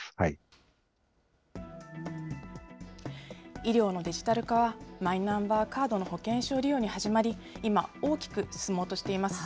医療のデジタル化はマイナンバーカードの保険証利用に始まり、今、大きく進もうとしています。